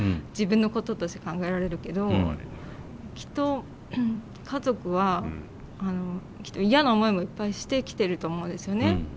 自分のこととして考えられるけどきっと家族は嫌な思いもいっぱいしてきてると思うんですよね。